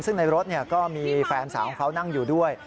ซึ่งในรถก็มีแฟนสาวของเขานั่งอยู่ด้วย